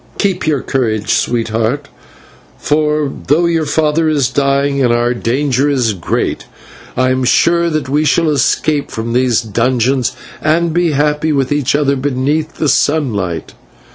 Keep your courage, sweetheart, for though your father is dying and our danger is great, I am sure that we shall escape from these dungeons and be happy with each other beneath the sunlight."